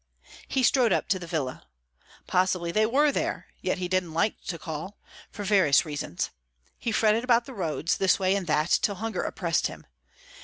He strode up to the villa. Possibly they were there; yet he didn't like to call for various reasons. He fretted about the roads, this way and that, till hunger oppressed him.